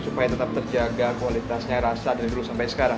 supaya tetap terjaga kualitasnya rasa dari dulu sampai sekarang